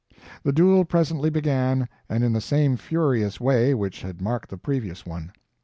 The duel presently began and in the same furious way which had marked the previous one.